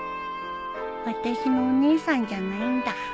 あたしのお姉さんじゃないんだ